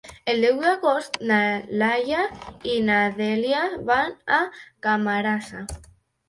El deu d'agost na Laia i na Dèlia van a Camarasa.